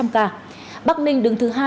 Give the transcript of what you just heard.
hai tám trăm linh ca bắc ninh đứng thứ hai